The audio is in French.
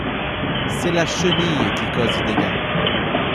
C'est la chenille qui cause des dégâts.